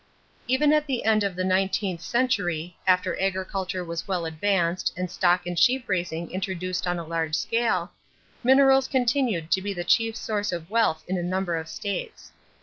Even at the end of the nineteenth century, after agriculture was well advanced and stock and sheep raising introduced on a large scale, minerals continued to be the chief source of wealth in a number of states.